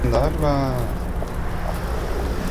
Su imagen pasó a ser mundialmente famosa.